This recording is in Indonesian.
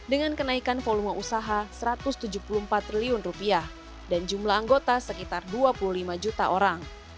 dengan kenaikan volume usaha rp satu ratus tujuh puluh empat triliun dan jumlah anggota sekitar dua puluh lima juta orang